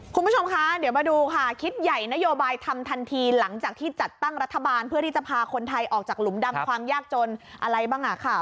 คุณผู้ชมคะเดี๋ยวมาดูค่ะคิดใหญ่นโยบายทำทันทีหลังจากที่จัดตั้งรัฐบาลเพื่อที่จะพาคนไทยออกจากหลุมดำความยากจนอะไรบ้างอ่ะค่ะ